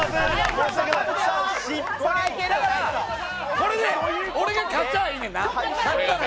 これで俺が勝ちゃあいいんだな？